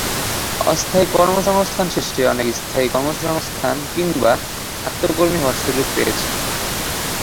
অস্থায়ী কর্মসংস্থান শেষে অনেকে স্থায়ী কর্মসংস্থান কিংবা আত্মকর্মী হওয়ার সুযোগ পেয়েছেন।